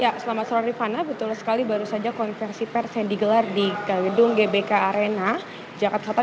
ya selamat sore rifana betul sekali baru saja konversi pers yang digelar di gedung gbk arena jakarta